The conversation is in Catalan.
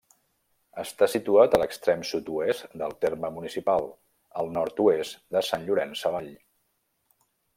Està situat a l'extrem sud-oest del terme municipal, al nord-oest de Sant Llorenç Savall.